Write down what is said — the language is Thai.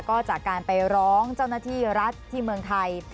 ก็จากการไปร้องเจ้าหน้าที่รัฐที่เมืองไทย